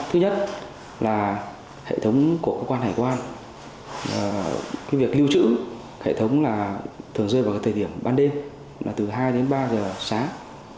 thứ nhất là hệ thống của cơ quan hải quan việc lưu trữ hệ thống là thường rơi vào cái thời điểm ban đêm là từ hai đến ba giờ sáng